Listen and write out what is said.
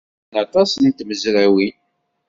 Sɛan aṭas n tmezrawin.